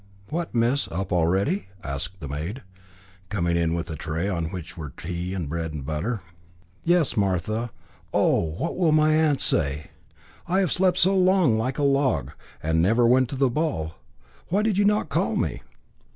"What, miss, up already?" asked the maid, coming in with a tray on which were tea and bread and butter. "Yes, Martha. Oh! what will aunt say? I have slept so long and like a log, and never went to the ball. Why did you not call me?"